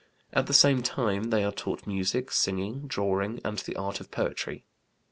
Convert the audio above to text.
At the same time, they are taught music, singing, drawing, and the art of poetry.